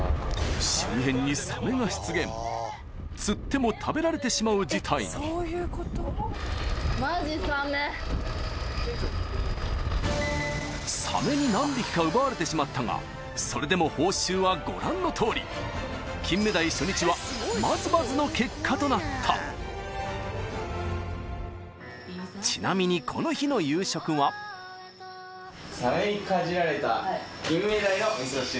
周辺にサメが出現釣ってもサメに何匹か奪われてしまったがそれでも報酬はご覧のとおりキンメダイ初日はまずまずの結果となったちなみにこの日の夕食はサメにかじられたキンメダイの味噌汁。